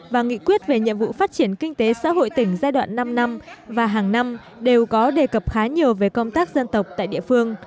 và nghị quyết về nhiệm vụ phát triển kinh tế xã hội tỉnh giai đoạn năm năm và hàng năm đều có đề cập khá nhiều về công tác dân tộc tại địa phương